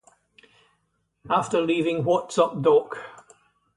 After leaving What's Up Doc?